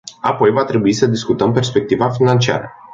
Apoi va trebui să discutăm perspectiva financiară.